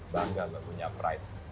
bangga punya pride